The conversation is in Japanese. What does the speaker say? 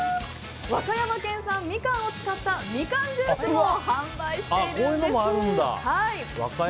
和歌山県産ミカンを使ったみかんジュースも販売しているんです。